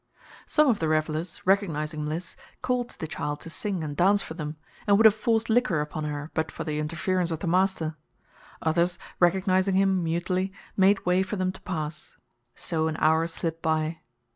Some of the revelers, recognizing Mliss, called to the child to sing and dance for them, and would have forced liquor upon her but for the interference of the master. Others, recognizing him mutely, made way for them to pass. So an hour slipped by.